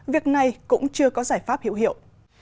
việc này cũng chưa có giải pháp hiệu hiệu